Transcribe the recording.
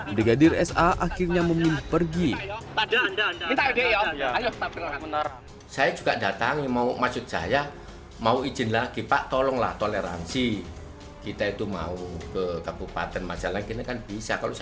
brigadir sa akhirnya memilih pergi